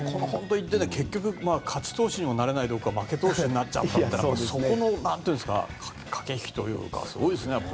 結局、勝ち投手にもなれないどころか負け投手になっちゃうというそこの駆け引きというかすごいですね。